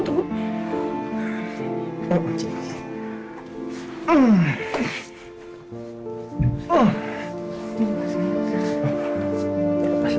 pak sudahampun ya